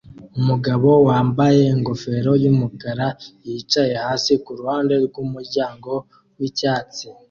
Umugabo wambaye ingofero yumukara yicaye hasi kuruhande rwumuryango wicyatsi